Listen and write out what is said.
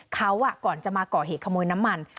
เขาก่อนจะมาก่อเหตุขโมยน้ำมัน